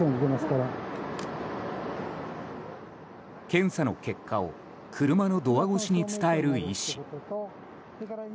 検査の結果を車のドア越しに伝える医師。